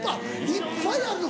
いっぱいあるの？